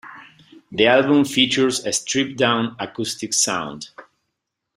The album features a stripped down, acoustic sound.